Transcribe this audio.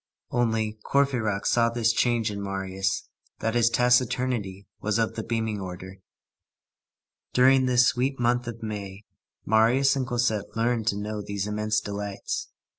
Only, Courfeyrac saw this change in Marius, that his taciturnity was of the beaming order. During this sweet month of May, Marius and Cosette learned to know these immense delights.